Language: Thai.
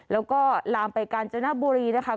แล้วก็ลามไปกาลเจ้าหน้าบุรีนะคะ